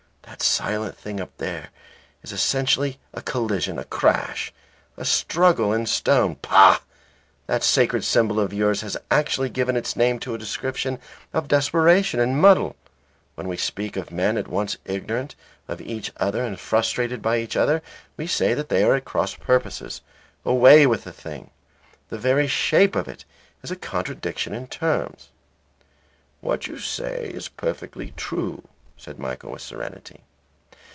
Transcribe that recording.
That silent thing up there is essentially a collision, a crash, a struggle in stone. Pah! that sacred symbol of yours has actually given its name to a description of desperation and muddle. When we speak of men at once ignorant of each other and frustrated by each other, we say they are at cross purposes. Away with the thing! The very shape of it is a contradiction in terms." "What you say is perfectly true," said Michael, with serenity.